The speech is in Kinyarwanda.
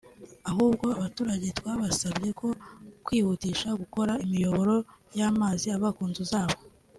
ahubwo abaturage twabasabye ko kwihutisha gukora imiyoboro y’amazi ava ku nzu zabo